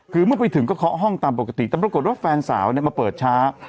คือเมื่อไปถึงก็เคาะห้องตามปกติแต่ปรากฏว่าแฟนสาวมาเปิดช้า